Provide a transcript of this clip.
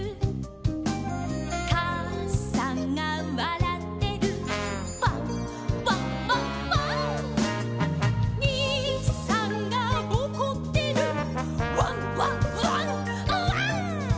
「かあさんがわらってる」「ワンワンワンワン」「にいさんがおこってる」「ワンワンワンワン」